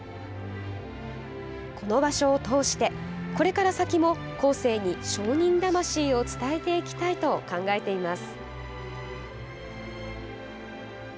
この場所を通してこれから先も後世に商人魂を伝えていきたいと考えています。